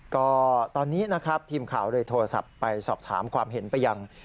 ก็ตอนนี้นะครับทีมข่าวเลยโทรศัพท์ไปสอบถามความเห็นไปยัง